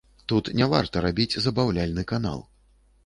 Тут не варта рабіць забаўляльны канал.